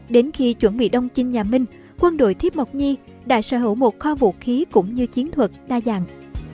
đến khi chuẩn bị đông chinh nhà minh quân đội thiếp mộc nhi đã sở hữu một kho vũ khí cũng như chiến thuật đa dạng